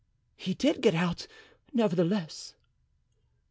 "He did get out, nevertheless."